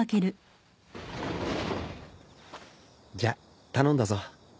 じゃあ頼んだぞ。